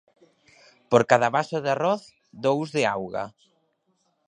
Por cada vaso de arroz, dous de auga.